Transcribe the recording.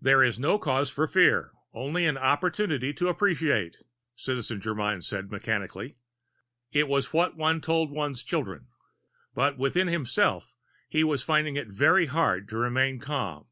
"There is no cause for fear, only an opportunity to appreciate," Citizen Germyn said mechanically it was what one told one's children. But within himself, he was finding it very hard to remain calm.